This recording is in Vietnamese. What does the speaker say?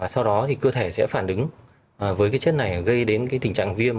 sau đó cơ thể sẽ phản đứng với chất này gây đến tình trạng viêm